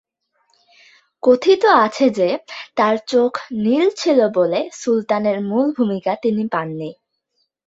কথিত আছে যে, তার চোখ নীল ছিল বলে সুলতানের মূল ভূমিকা তিনি পান নি।